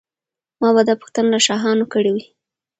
ما به دا پوښتنه له شاهانو کړې وي.